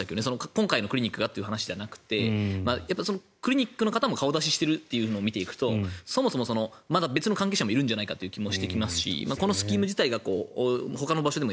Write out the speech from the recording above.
今回のクリニックがという話ではなくてクリニックの方も顔出ししてるというのを見ていくとそもそも別の関係者もいるんじゃないかという気がしてきますしこのスキーム自体がほかの場所でも